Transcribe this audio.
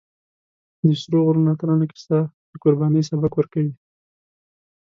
د سرو غرونو اتلانو کیسه د قربانۍ سبق ورکوي.